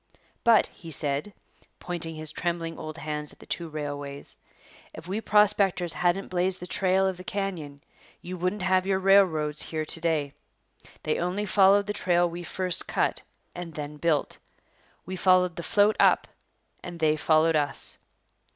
'But,' he said, pointing his trembling old hands at the two railways, 'if we prospectors hadn't blazed the trail of the canyon, you wouldn't have your railroads here to day. They only followed the trail we first cut and then built. We followed the "float" up and they followed us.'